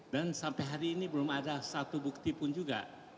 dan sampai hari ini belum ada satu bukti pun juga